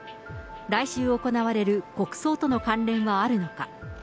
来週行われる国葬との関連はあるのか。